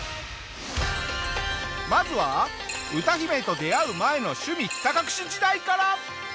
まずは歌姫と出会う前の趣味ひた隠し時代から！